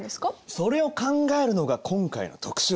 それを考えるのが今回の特集さ。